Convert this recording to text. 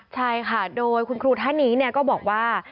ใช่ค่ะโดยคุณครูท่านนี้ก็บอกว่า